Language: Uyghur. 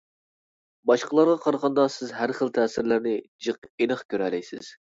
باشقىلارغا قارىغاندا سىز ھەر خىل تەسىرلەرنى جىق ئېنىق كۆرەلەيسىز.